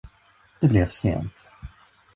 Det blev sent.